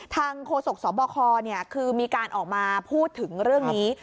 โฆษกสบคคือมีการออกมาพูดถึงเรื่องนี้